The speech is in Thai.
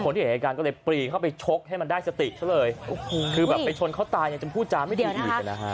ที่เห็นเหตุการณ์ก็เลยปรีเข้าไปชกให้มันได้สติซะเลยโอ้โหคือแบบไปชนเขาตายยังจนพูดจาไม่ดีอีกนะฮะ